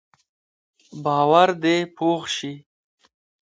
باور دې پوخ شي.